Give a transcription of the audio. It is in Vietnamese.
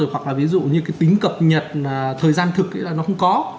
hoặc là ví dụ như cái tính cập nhật thời gian thực là nó không có